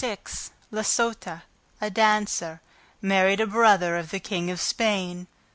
La Sota, a dancer, married a brother of the King of Spain.